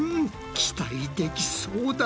期待できそうだ。